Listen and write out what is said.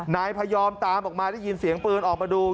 นายพยอมตามออกมาได้ยินเสียงปืนออกมาดู